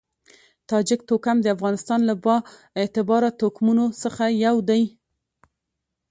تاجک توکم د افغانستان له با اعتباره توکمونو څخه یو دی.